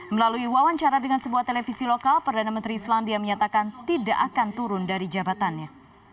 melalui wawancara dengan sebuah televisi lokal perdana menteri islandia menyatakan tidak akan turun dari jabatannya